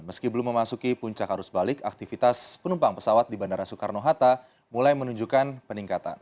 meski belum memasuki puncak arus balik aktivitas penumpang pesawat di bandara soekarno hatta mulai menunjukkan peningkatan